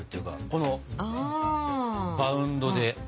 このバウンドで。